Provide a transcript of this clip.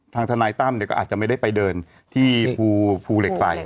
ทนายตั้มก็อาจจะไม่ได้ไปเดินที่ภูเหล็กไฟ